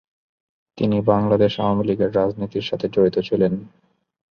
তিনি বাংলাদেশ আওয়ামী লীগের রাজনীতির সাথে জড়িত ছিলেন।